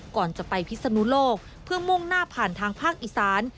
ก่อนจะไปพิศนุโลกเพื่อมุ่งหน้าผ่านทางภาคอีสาน